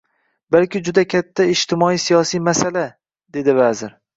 balki juda katta ijtimoiy-siyosiy masala», dedi vazir.